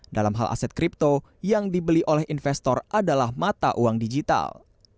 dalam hal aset kripto yang dibeli oleh investor adalah mata uang digital